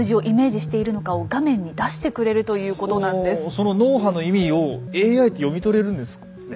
その脳波の意味をＡＩって読み取れるんですね？